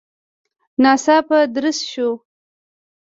ناڅاپه درز شو.